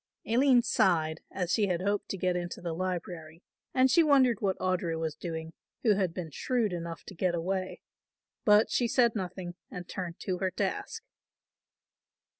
Aline sighed, as she had hoped to get into the library and she wondered what Audry was doing, who had been shrewd enough to get away, but she said nothing and turned to her task.